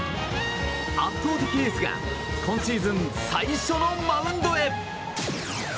圧倒的エースが今シーズン最初のマウンドへ！